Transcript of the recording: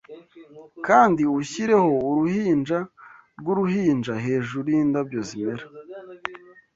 Kandi ushyireho uruhinja rwuruhinja hejuru yindabyo zimera